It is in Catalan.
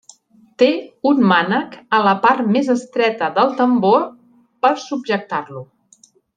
Té un mànec a la part més estreta del tambor per subjectar-lo.